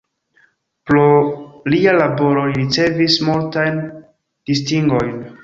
Pro lia laboro li ricevis multajn distingojn.